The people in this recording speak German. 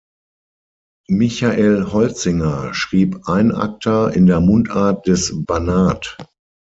Michael Holzinger schrieb Einakter in der Mundart des Banat.